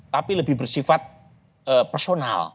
tapi lebih bersifat personal